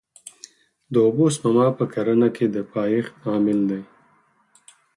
د اوبو سپما په کرنه کې د پایښت عامل دی.